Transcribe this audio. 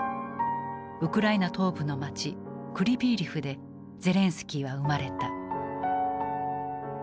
ウクライナ東部の街クリビーリフでゼレンスキーは生まれた。